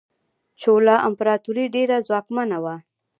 چولا امپراتوري ډیره ځواکمنه وه.